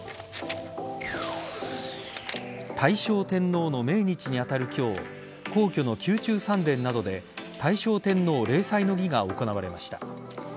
大正天皇の命日に当たる今日皇居の宮中三殿などで大正天皇例祭の儀が行われました。